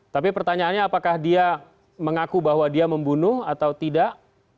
tapi pertanyaannya apakah dia mengaku bahwa dia membunuh atau tidak